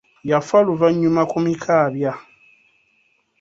Yafa luvannyuma ku Mikaabya.